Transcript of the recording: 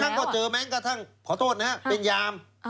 บางครั้งก็เจอแม้งกระทั่งขอโทษนะฮะเป็นยาม